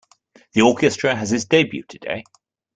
The orchestra has its debut today.